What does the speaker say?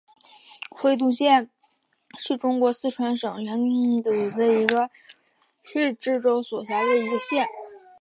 会东县是中国四川省凉山彝族自治州所辖的一个县。